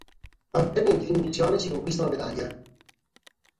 Al termine di ogni missione si conquista una medaglia.